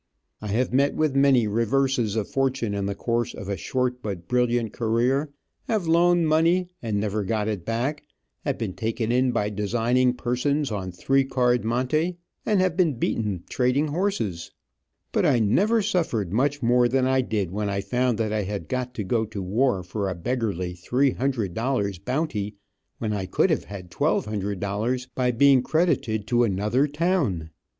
I have met with many reverses of fortune in the course of a short, but brilliant career, have loaned money and never got it back, have been taken in by designing persons on three card monte, and have been beaten trading horses, but I never suffered much more than I did when I found that I had got to go to war for a beggerly three hundred dollars bounty, when I could have had twelve hundred dollars by being credited to another town.